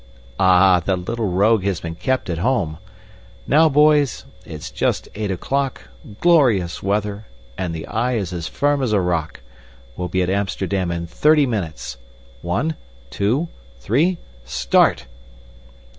"Ah, the little rogue has been kept at home! Now, boys, it's just eight o'clock glorious weather, and the Y is as firm as a rock. We'll be at Amsterdam in thirty minutes. One, two, three START!"